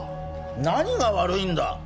何が悪いんだ？